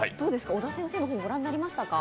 小田先生の本、ご覧になりましたか？